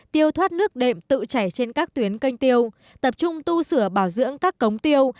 tiêu thoát nước đệm tự chảy trên các tuyến canh tiêu tập trung tu sửa bảo dưỡng các cống tiêu